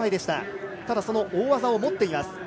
ただ、その大技を持っています。